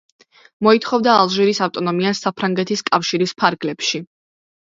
მოითხოვდა ალჟირის ავტონომიას საფრანგეთის კავშირის ფარგლებში.